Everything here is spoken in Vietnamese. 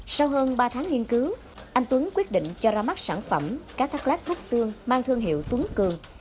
sau hơn ba tháng nghiên cứu anh tuấn quyết định cho ra mắt sản phẩm cá thác lát rút xương mang thương hiệu tuấn cường